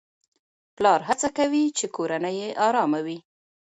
پلار هڅه کوي چې کورنۍ يې آرامه وي.